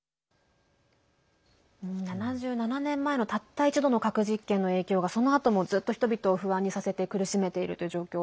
７７年前のたった一度の核実験の影響がそのあともずっと人々を不安にさせて苦しめているという状況。